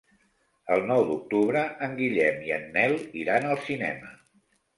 El nou d'octubre en Guillem i en Nel iran al cinema.